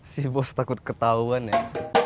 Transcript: si bos takut ketahuan ya